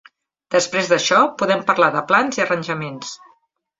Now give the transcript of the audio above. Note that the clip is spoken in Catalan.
Després d'això, podem parlar de plans i arranjaments.